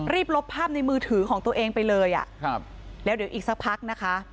ลบภาพในมือถือของตัวเองไปเลยอ่ะครับแล้วเดี๋ยวอีกสักพักนะคะ